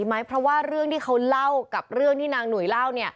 ไม่ใช่โรคบ้านเกณฑ์ล่ะ